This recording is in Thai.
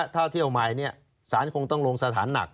ถ้าเที่ยวใหม่สารคงต้องลงสถานหนัก